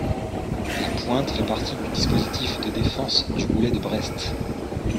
La pointe fait partie du dispositif de défense du goulet de Brest.